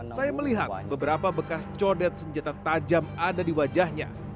saya melihat beberapa bekas codet senjata tajam ada di wajahnya